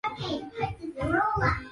na kuanzia pale tutaamini swala hili